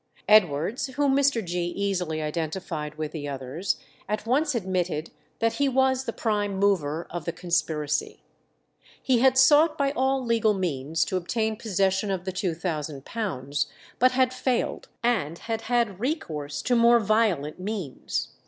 Edwards, whom Mr. Gee easily identified with the others, at once admitted that he was the prime mover of the conspiracy. He had sought by all legal means to obtain possession of the £2000, but had failed, and had had recourse to more violent means.